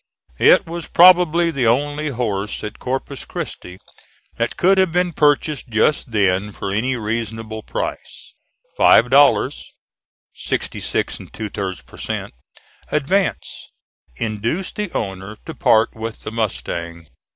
It was probably the only horse at Corpus Christi that could have been purchased just then for any reasonable price. Five dollars, sixty six and two thirds per cent. advance, induced the owner to part with the mustang.